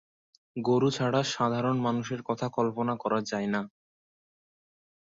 গরু ছাড়া সাধারণ মানুষের কথা কল্পনা করা যায়না।